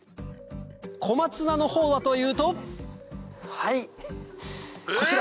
コマツナのほうはというとはいこちら。